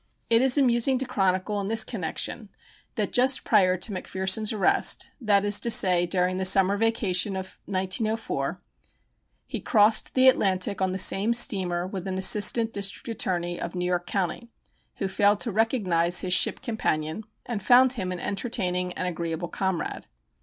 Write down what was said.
It is amusing to chronicle in this connection that just prior to McPherson's arrest that is to say during the summer vacation of 1904 he crossed the Atlantic on the same steamer with an assistant district attorney of New York county, who failed to recognize his ship companion and found him an entertaining and agreeable comrade.